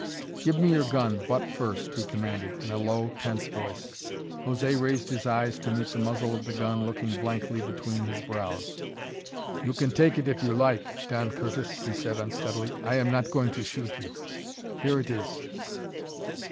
"Give me your gun, butt first," he commanded in a low, tense voice. José raised his eyes to meet the muzzle of the gun looking blankly between his brows. "You can take it if you like, Don Curtis," he said unsteadily. "I am not going to shoot you. Here it is."